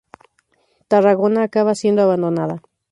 Tarragona acaba siendo abandonada.